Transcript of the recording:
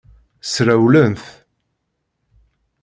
Srewlen-t.